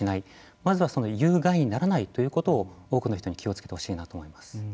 まずはその有害にならないということを多くの人に気をつけてほしいと思います。